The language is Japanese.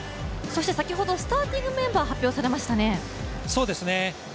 先ほどスターティングメンバーが発表されましたね。